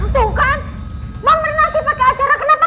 mbak mirna sih pake acara